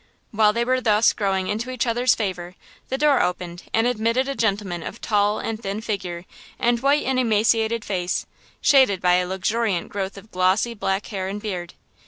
While they were thus growing into each other's favor, the door opened and admitted a gentleman of tall and thin figure and white and emaciated face, shaded by a luxuriant growth of glossy black hair and beard.